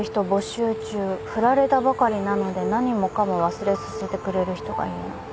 振られたばかりなので何もかも忘れさせてくれる人がいいな」